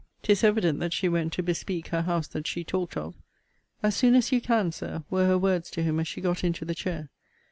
'Tis evident that she went to bespeak her house that she talked of* As soon as you can, Sir, were her words to him as she got into the chair.